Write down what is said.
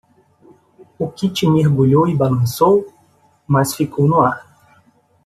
O kite mergulhou e balançou?, mas ficou no ar.